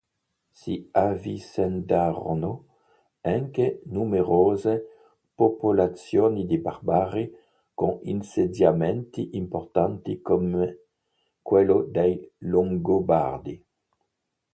Si avvicendarono anche numerose popolazioni di barbari, con insediamenti importanti come quello dei Longobardi.